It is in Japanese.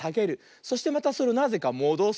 そしてまたそれをなぜかもどす。